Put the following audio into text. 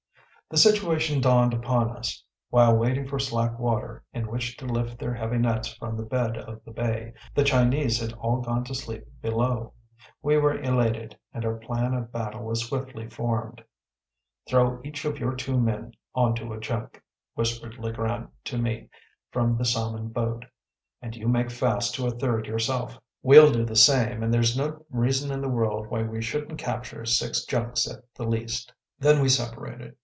The situation dawned upon us. While waiting for slack water, in which to lift their heavy nets from the bed of the bay, the Chinese had all gone to sleep below. We were elated, and our plan of battle was swiftly formed. “Throw each of your two men on to a junk,‚ÄĚ whispered Le Grant to me from the salmon boat. “And you make fast to a third yourself. We’ll do the same, and there’s no reason in the world why we shouldn’t capture six junks at the least.‚ÄĚ Then we separated.